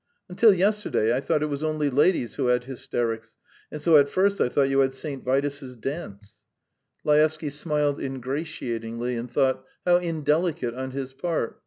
..." "Until yesterday I thought it was only ladies who had hysterics, and so at first I thought you had St. Vitus's dance." Laevsky smiled ingratiatingly, and thought: "How indelicate on his part!